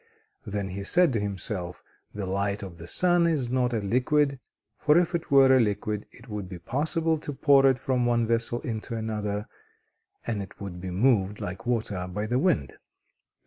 Then he said to himself: "The light of the sun is not a liquid; for if it were a liquid it would be possible to pour it from one vessel into another, and it would be moved, like water, by the wind.